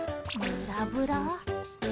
ブラブラ？